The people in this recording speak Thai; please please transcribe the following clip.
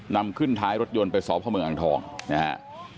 นำขึ้นท้ายรถยนต์ไปสอบพระมึงอังทองนี่ฮะ